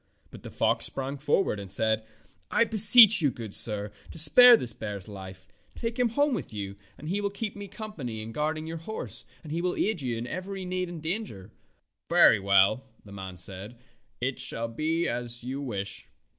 But the fox sprang forward and said : "I beseech you, good sir, to spare this bear's life. Take him home with you, and he will 92 Fairy Tale Foxes keep me company in guarding your horse, and he will aid you in every need and danger.'^ "Very well,'' the man said, "it shall be as you wish."